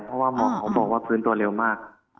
เพราะว่าหมอเขาบอกว่าฟื้นตัวเร็วมาก